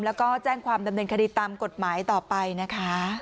แล้วก็แจ้งความดำเนินคดีตามกฎหมายต่อไปนะคะ